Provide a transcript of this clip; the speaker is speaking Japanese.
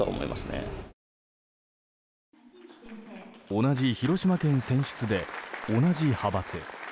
同じ広島県選出で同じ派閥。